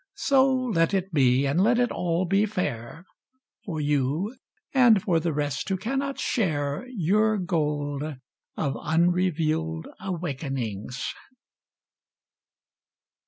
So let it be; and let it all be fair — For you, and for the rest who cannot share Your gold of unrevealed awakenings.